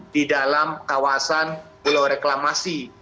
di dalam kawasan pulau reklamasi